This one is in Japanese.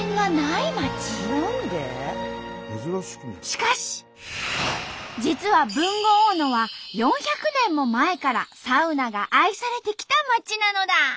しかし実は豊後大野は４００年も前からサウナが愛されてきた町なのだ！